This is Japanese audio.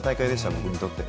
僕にとって。